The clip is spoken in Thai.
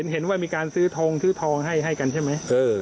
เห็นว่ามีการซื้อทงซื้อทองให้กันใช่ไหม